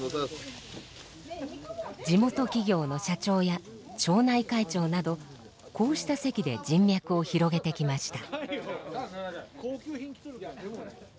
地元企業の社長や町内会長などこうした席で人脈を広げてきました。